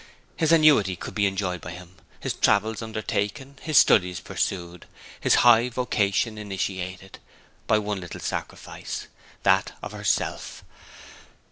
His annuity could be enjoyed by him, his travels undertaken, his studies pursued, his high vocation initiated, by one little sacrifice that of herself.